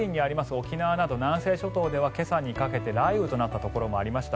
沖縄など南西諸島では今朝にかけて雷雨となったところもありました。